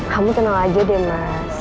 kamu kenal aja deh mas